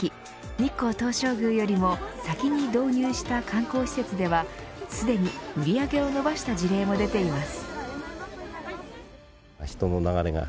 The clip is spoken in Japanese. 日光東照宮よりも先に導入した観光施設ではすでに売り上げを伸ばした事例も出ています。